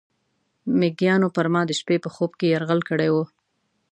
میږیانو پر ما د شپې په خوب کې یرغل کړی و.